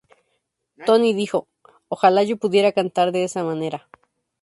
Toni dijo: "ojalá yo pudiera cantar de esa manera".